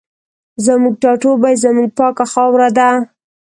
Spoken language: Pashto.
زموږ ټاټوبی زموږ پاکه خاوره ده